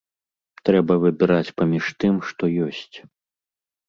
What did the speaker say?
Трэба выбіраць паміж тым, што ёсць.